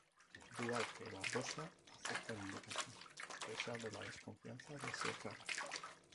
Duarte Barbosa acepta la invitación, a pesar de la desconfianza de Serrano.